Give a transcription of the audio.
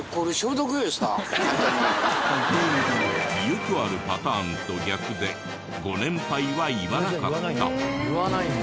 よくあるパターンと逆でご年配は言わなかった。